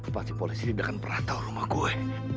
pasti polisi tidak akan perah tau rumah gue